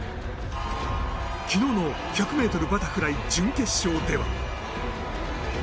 昨日の１００ｍバタフライ準決勝では。